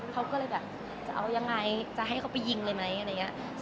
เขาก็เลยแบบจะเอายังไงจะให้เขาไปยิงเลยไหมอะไรอย่างนี้